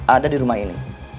ada di rumah ini